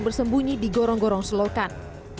bersembunyi di gorong gorong selokan